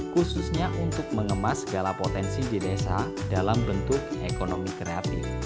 khususnya untuk mengemas segala potensi di desa dalam bentuk ekonomi kreatif